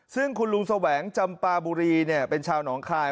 ซึ่งคุณลุงแสวงจำปาบุรีเป็นชาวหนองคาย